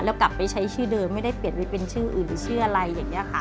แล้วกลับไปใช้ชื่อเดิมไม่ได้เปลี่ยนไปเป็นชื่ออื่นหรือชื่ออะไรอย่างนี้ค่ะ